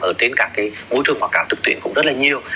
ở trên môi trường quảng cáo trực tuyến cũng rất là nhiều